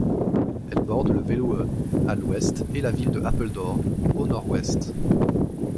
Elles bordent le Veluwe à l'ouest et la ville de Apeldoorn au nord-ouest.